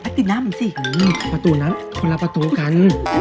ไปปะกินน้ำสิมึงนี่ประตูน้ำคนละประตูกัน